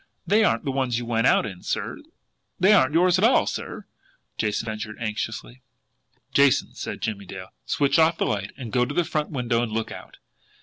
They aren't the ones you went out in, sir they aren't yours at all, sir!" Jason ventured anxiously. "Jason," said Jimmie Dale, "switch off the light, and go to the front window and look out.